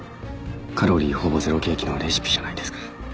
カロリーほぼ０ケーキのレシピじゃないですか？